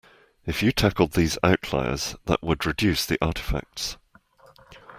If you tackled these outliers that would reduce the artifacts.